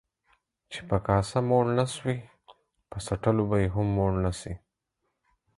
چي په کاسه موړ نسوې ، په څټلو به يې هم موړ نسې.